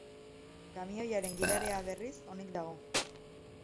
Kamioiaren gidaria, berriz, onik dago.